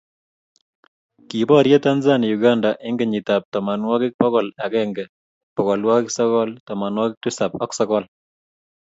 Kiborye Tanzania Uganda eng' kenyitab tamanwakik bokol akenge, bokolwokik sokol, tamanwakik tisap ak sokool